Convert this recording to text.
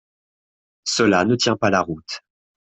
Cela ne tient pas la route.